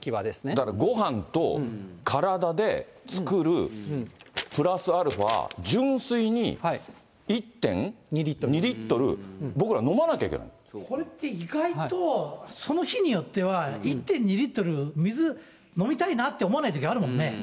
だからごはんと体で作るプラスアルファ、純粋に１．２リットこれって意外と、その日によっては１．２リットル、水、飲みたいなと思わないときあるもんね。